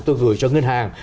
tôi gửi cho ngân hàng